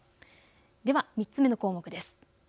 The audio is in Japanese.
では３つの項目です。